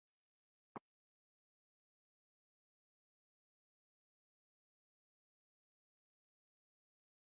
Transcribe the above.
ویسے سر نے نام وغیرہ تو بھیج دیے ہیں جنہوں نے کرنی ہے۔